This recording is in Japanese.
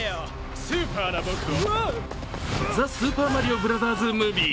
「ザ・スーパーマリオブラザーズ・ムービー」。